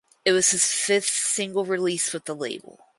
It was his fifth single release with the label.